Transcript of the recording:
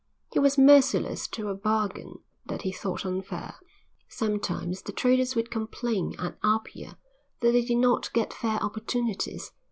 He was merciless to a bargain that he thought unfair. Sometimes the traders would complain at Apia that they did not get fair opportunities.